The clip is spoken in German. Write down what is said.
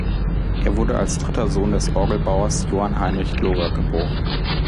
Er wurde als dritter Sohn des Orgelbauers Johann Heinrich Gloger geboren.